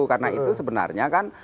karena itu sebenarnya kan